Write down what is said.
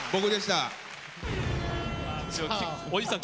おじさん！